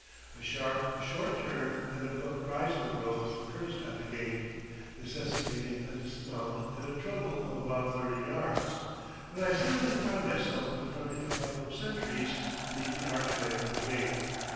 A sharp, short turn and abrupt rise in the road occurs at the gate, necessitating a dismount and a trundle of about thirty yards, when I suddenly find myself confronting a couple of sentries beneath the archway of the gate.